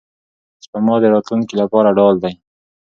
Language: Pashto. سپما د راتلونکي لپاره ډال دی.